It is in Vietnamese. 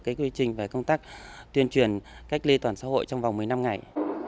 cái quy trình về công tác tuyên truyền cách ly toàn xã hội trong vòng một mươi năm ngày